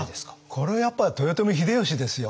これはやっぱり豊臣秀吉ですよ。